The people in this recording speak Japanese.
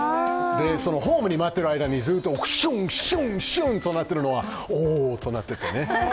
ホームに待っている間にずっとシュンシュンとなっているのはおおとなってたね。